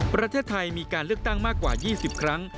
ประเทศไทยมีการเลือกตั้งมากกว่า๒๐ครั้ง